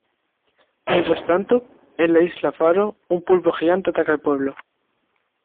Mientras tanto, en la Isla Faro, un pulpo gigante ataca al pueblo.